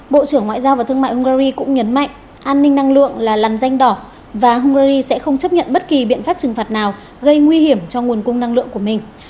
bộ trưởng ngoại giao và thương mại hungary cũng nhấn mạnh an ninh năng lượng làn danh đỏ và hungary sẽ không chấp nhận bất kỳ biện pháp trừng phạt nào gây nguy hiểm cho nguồn cung năng lượng của mình